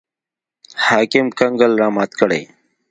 حاکم کنګل رامات کړي.